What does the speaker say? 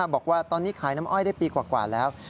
บอกว่าตอนนี้ขายน้ำอ้อยได้ปีกว่าแล้ว